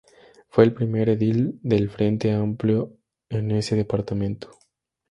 Fue el primer edil del Frente Amplio en ese departamento.